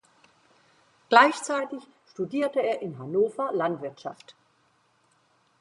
Gleichzeitig studierte er in Hannover Landwirtschaft.